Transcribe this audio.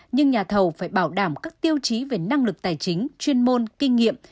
nhưng nhà thầu phải bảo đảm các tiêu chí về năng lực tài chính chuyên môn kinh nghiệm